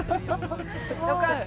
よかった！